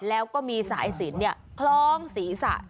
แล้วก็มีสายศีลเนี่ยคล้องศีรษะ